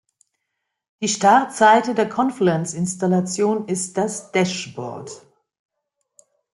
Die Startseite der Confluence-Installation ist das "Dashboard".